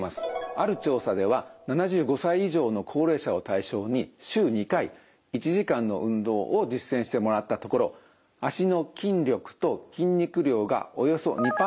ある調査では７５歳以上の高齢者を対象に週２回１時間の運動を実践してもらったところ足の筋力と筋肉量がおよそ２％アップ。